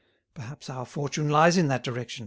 Perhaps our fortune lies in that direction.